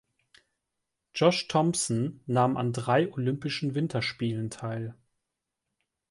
Josh Thompson nahm an drei Olympischen Winterspielen teil.